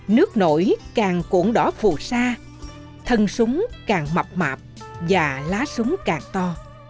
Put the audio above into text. nước nổi càng cũng đỏ phù sa thân súng càng mập mạp và lá súng càng to